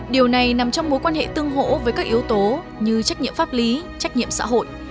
điều này nằm trong mối quan hệ tương hỗ với các yếu tố như trách nhiệm pháp lý trách nhiệm xã hội